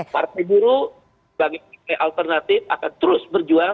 partai buruh sebagai partai alternatif akan terus berjuang